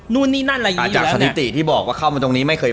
นู่นนี่นั่นอะไรอยู่แล้วเนี่ย